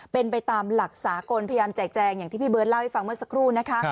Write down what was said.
เป็นไปตามหลักสากลพยายามแจกแจงอย่างที่พี่เบิร์ตเล่าให้ฟังเมื่อสักครู่นะคะ